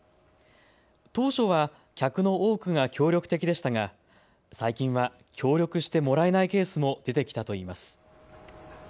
当初は客の多くが協力的でしたが最近は協力してもらえないケースも出てきたといいます。